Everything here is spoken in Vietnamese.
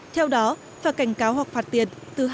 theo đó phải cảnh cáo hoặc phạt tiền